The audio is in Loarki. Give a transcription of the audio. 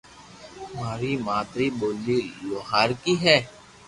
مارو مادري ٻولي لوھارڪي ھي